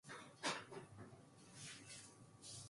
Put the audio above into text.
내가 한 번 사랑에 취하였을 적과 같이 술에 취해 볼 터이야.